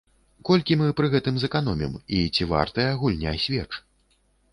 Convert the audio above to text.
Колькі мы пры гэтым зэканомім, і ці вартая гульня свеч?